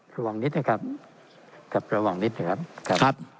ระหว่างนี้เถอะครับครับระหว่างนี้เถอะครับครับ